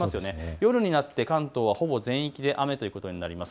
夜になって関東はほぼ全域で雨です。